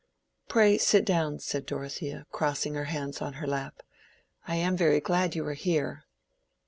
"Pray sit down," said Dorothea, crossing her hands on her lap; "I am very glad you were here."